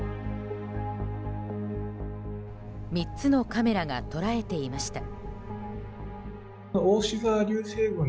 ３つのカメラが捉えていました。